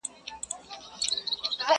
نندارې ته د څپو او د موجونو؛